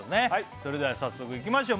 それでは早速いきましょう